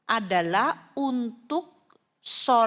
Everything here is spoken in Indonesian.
adalah untuk solar